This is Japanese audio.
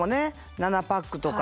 ７パックとか。